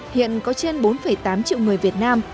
hiện có trên bốn tám triệu người việt nam